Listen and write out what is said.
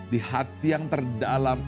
di hati yang terdalam